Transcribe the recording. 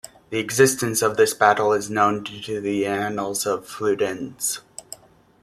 The existence of this battle is known due to the Annales Fuldenses.